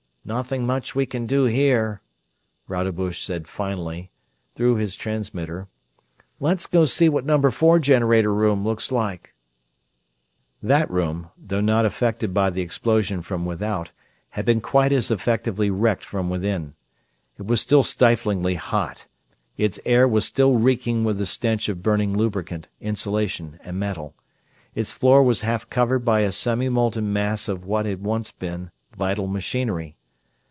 "Nothing much we can do here," Rodebush said finally, through his transmitter, "Let's go see what number four generator room looks like." That room, although not affected by the explosion from without, had been quite as effectively wrecked from within. It was still stiflingly hot; its air was still reeking with the stench of burning lubricant, insulation, and metal; its floor was half covered by a semi molten mass of what had once been vital machinery.